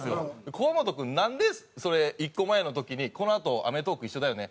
河本君なんで１個前の時に「このあと『アメトーーク』一緒だよね？